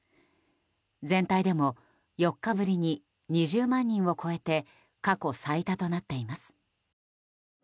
全体でも４日ぶりに２０万人を超えて過去最多となっています。